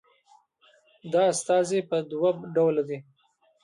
دا استازي په دوه ډوله ده